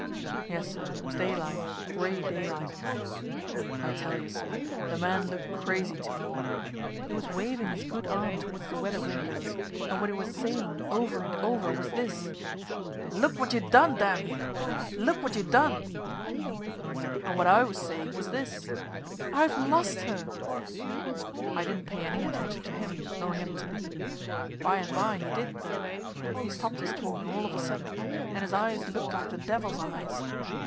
Yes, sir, it was daylight gray daylight. I tell you, sir, the man looked crazy to me. He was waving his good arm toward the weather windows, and what he was saying, over and over, was this: "Look what you done, damn you! Look what you done!" And what I was saying was this: "I've lost her!" I didn't pay any attention to him, nor him to me. By and by he did, though. He stopped his talking all of a sudden, and his eyes looked like the devil's eyes.